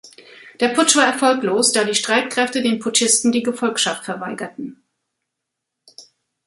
Der Putsch war erfolglos, da die Streitkräfte den Putschisten die Gefolgschaft verweigerten.